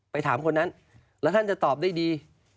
ถามคนนั้นแล้วท่านจะตอบได้ดี